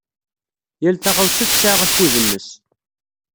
Yal taɣawsa tesɛa akud-nnes.